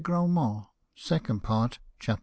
'am7nont, Second Part, chap.